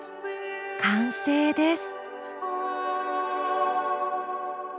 完成です。